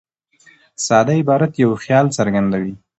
ساده عبارت یو خیال څرګندوي.